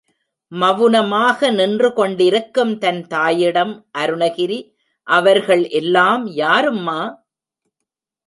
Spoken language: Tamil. மவுனமாக நின்று கொண்டிருக்கும் தன் தாயிடம் அருணகிரி, அவர்கள் எல்லாம் யாரும்மா?